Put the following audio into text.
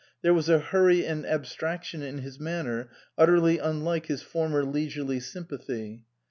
There was a hurry and abstraction in his manner utterly unlike his former leisurely sympathy.